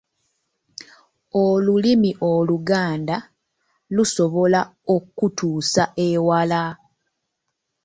Olulimi Oluganda lusobola okutuusa ewala.